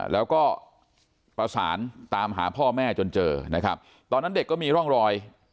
แล้วก็ประสานตามหาพ่อแม่จนเจอนะครับตอนนั้นเด็กก็มีร่องรอย